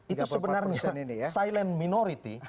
itu sebenarnya silent minority